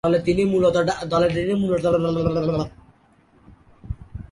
দলে তিনি মূলতঃ ডানহাতে ব্যাটিং করতেন।